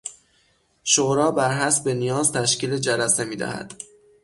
شورا بر حسب نیاز تشکیل جلسه میدهد.